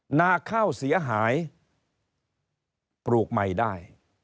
หน้าข้าวเสียหายปลูกใหม่ได้